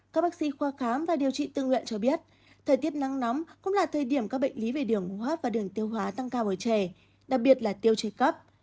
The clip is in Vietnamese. các bác sĩ khoa khám và điều trị tự nguyện cho biết thời tiết nắng nóng cũng là thời điểm các bệnh lý về đường hô hấp và đường tiêu hóa tăng cao ở trẻ đặc biệt là tiêu chảy cấp